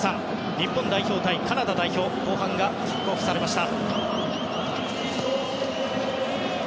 日本代表対カナダ代表後半がキックオフしました。